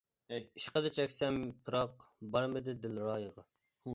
ئىشقىدا چەكسەم پىراق، بارمىدى دىل رايىغا.